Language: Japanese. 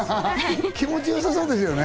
気持ちよさそうですよね。